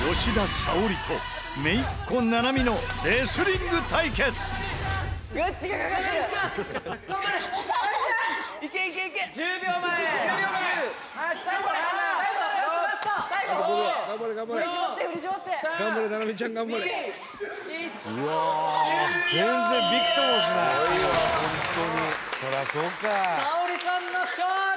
「沙保里さんの勝利！」